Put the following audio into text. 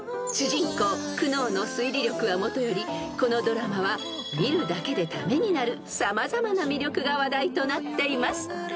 ［主人公久能の推理力はもとよりこのドラマは見るだけでためになる様々な魅力が話題となっています］